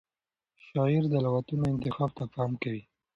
شاعر د لغتونو انتخاب ته پام کوي.